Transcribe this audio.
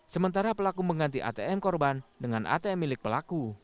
sementara pelaku mengganti atm korban dengan atm milik pelaku